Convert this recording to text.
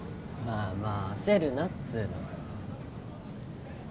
まあまあ焦るなっつうの。